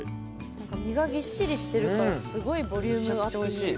何か身がぎっしりしてるからすごいボリュームあっておいしい。